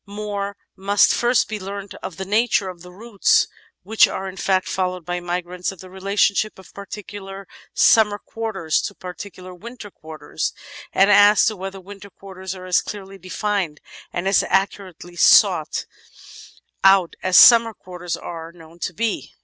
More must first be learnt of the nature of the routes which are in fact followed by migrants, of the relationship of particular sununer quarters to particular winter quarters, and as to whether winter quarters are as clearly defined and as accurately sought out as siunmer quarters are known to be.